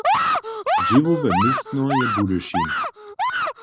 Dźěłowe městno je Budyšin.